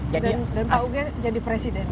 dan pak uge jadi presiden